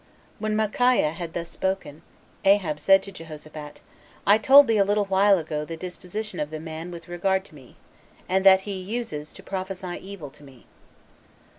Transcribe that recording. When Micaiah had thus spoken, Ahab said to Jehoshaphat, "I told thee a little while ago the disposition of the man with regard to me, and that he uses to prophesy evil to me."